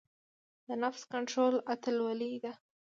د نفس کنټرول اتلولۍ ده.